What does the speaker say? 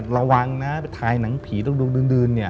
ระวังนะถ่ายหนังผีดึง